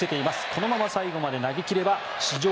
このまま最後まで投げ切れば史上